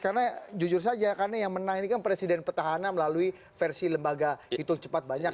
karena jujur saja karena yang menangin presiden petahana melalui versi lembaga itu cepat banyak